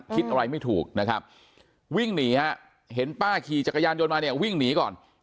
คิดอะไรไม่ถูกนะครับวิ่งหนีฮะเห็นป้าขี่จักรยานยนต์มาเนี่ยวิ่งหนีก่อน